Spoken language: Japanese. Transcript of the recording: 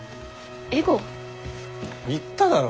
言っただろう？